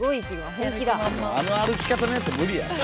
あの歩き方のやつ無理やろ。